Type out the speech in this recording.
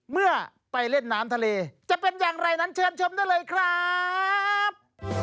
เมื่อไปเล่นน้ำทะเลจะเป็นอย่างไรนั้นเชิญชมได้เลยครับ